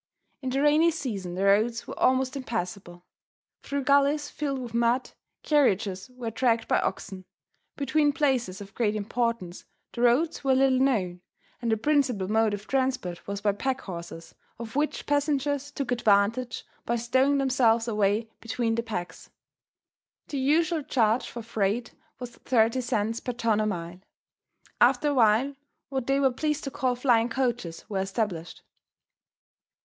In the rainy season the roads were almost impassable. Through gullies filled with mud, carriages were dragged by oxen. Between places of great importance the roads were little known, and a principal mode of transport was by pack horses, of which passengers took advantage by stowing themselves away between the packs. The usual charge for freight was 30 cents per ton a mile. After a while, what they were pleased to call flying coaches were established.